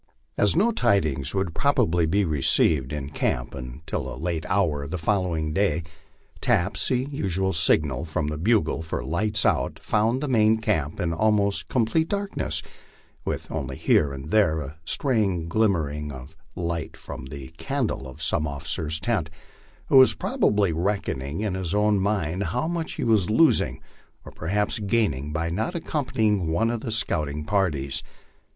As no tidings would probably be re ceived in camp until a late hour of the following day, taps, the usual signal from the bugle for "lights out," found the main camp in almost complete darkness, with only here and there a stray glimmering of light from the can dle of some officer's tent, who was probably reckoning in his own mind how much he was losing or perhaps gaining by not accompanying one of the scout ing parties.